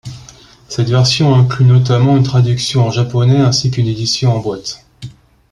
Cette version inclut notamment une traduction en japonais ainsi qu'une édition en boîte.